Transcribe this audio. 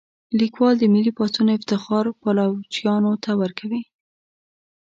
لیکوال د ملي پاڅون افتخار پایلوچانو ته ورکوي.